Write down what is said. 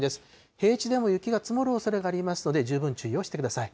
平地でも雪が積もるおそれがありますので、十分、注意をしてください。